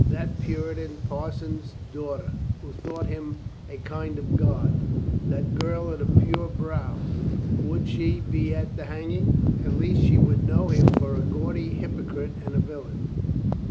That Puritan parson's daughter, who thought him a kind of god ... that girl of the pure brow ... would she be at the hanging? At least she would know him for a gaudy hypocrite and a villain.